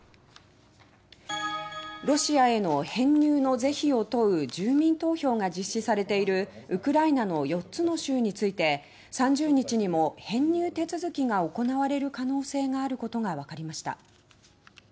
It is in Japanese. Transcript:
ロシアへの編入の是非を問う住民投票が実施されているウクライナの４つの州について３０日にも編入手続きが行われる可能性があることがわかりました。